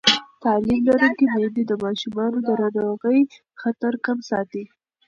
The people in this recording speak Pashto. تعلیم لرونکې میندې د ماشومانو د ناروغۍ خطر کم ساتي.